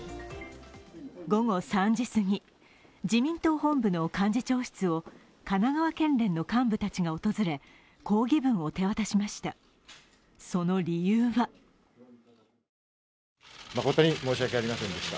午後３時すぎ、自民党本部の幹事長室を神奈川県連の幹部たちが訪れ抗議文を手渡しました。